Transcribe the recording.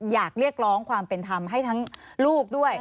อยากเรียกร้องความเป็นธรรมให้ทั้งลูกด้วย